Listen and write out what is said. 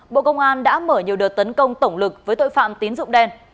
bộ công an đã mở nhiều đợt tấn công tổng lực với tội phạm tín dụng đen